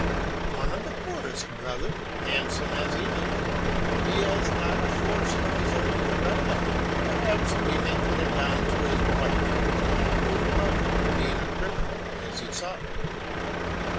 "One of the poorest, brother. Handsome as he is, he has not a horse of his own to ride on. Perhaps we may put it down to his wife, who cannot move about, being a cripple, as you saw."